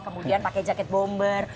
kemudian pakai jaket bomber